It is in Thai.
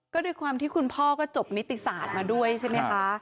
ก็ด้วยความที่คุณพ่อก็จบนิติศาสตร์มาด้วยใช่ไหมคะ